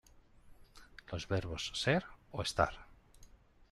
Los verbos "ser" o "estar".